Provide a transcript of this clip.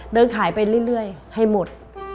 เดินขายไปเรื่อยให้หมด